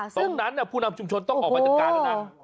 ตรงนั้นนะฮะผู้นำชุมชนต้องออกมาจากการ้าน